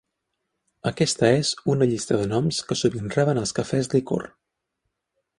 Aquesta és una llista de noms que sovint reben els cafès licor.